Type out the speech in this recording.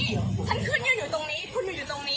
ท่านขึ้นยืนอยู่ตรงนี้คุณอยู่ตรงนี้